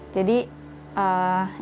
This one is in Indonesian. jadi insya allah